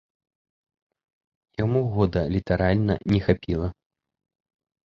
Яму года літаральна не хапіла.